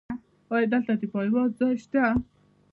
ایا دلته د پایواز ځای شته؟